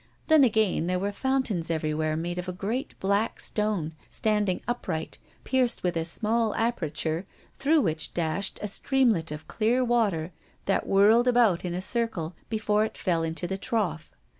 Then, again, there were fountains everywhere made of a great black stone standing upright pierced with a small aperture, through which dashed a streamlet of clear water that whirled about in a circle before it fell into the trough.